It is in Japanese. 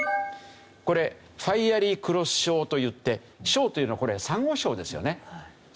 これファイアリー・クロス礁といって「礁」というのはこれ珊瑚礁ですよね。